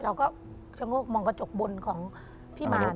เราก็ชะโงกมองกระจกบนของพี่มา